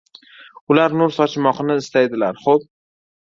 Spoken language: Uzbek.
Ular nur sochmoqni istaydilar xo‘p